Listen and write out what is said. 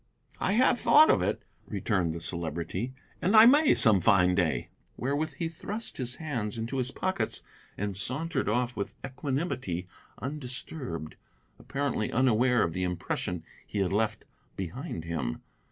"I have thought of it," returned the Celebrity, "and I may, some fine day." Wherewith he thrust his hands into his pockets and sauntered off with equanimity undisturbed, apparently unaware of the impression he had left behind him.